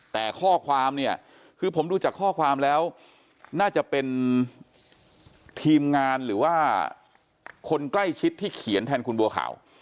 แต่ข้อความเนี่ยคือผมดูจากข้อความแล้วน่าจะเป็นทีมงานหรือว่าคนใกล้ชิดที่เขียนแทนคุณบัวขาว